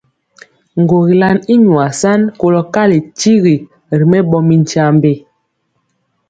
Ŋgogilan i nwaa san kolɔ kali kyigi ri mɛɓɔ mi nkyambe.